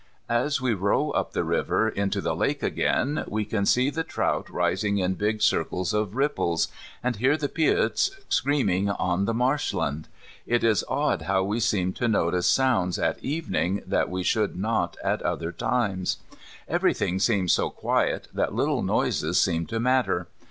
As we row up the river into the lake again we can see the trout rising in big circles of ripples, and hear the peewits screaming on the marshland. It is odd how we seem to notice sounds at evening that we should not at other times. Everything seems so quiet that little noises seem to matter.